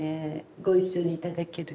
ご一緒に頂ける。